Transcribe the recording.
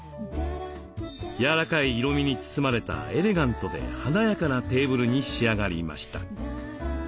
柔らかい色みに包まれたエレガントで華やかなテーブルに仕上がりました。